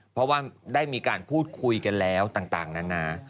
เพราะว่าได้มีการพูดคุยกันแล้วต่างนานา